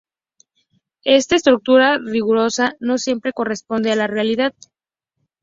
Esa estructura rigurosa no siempre corresponde a la realidad.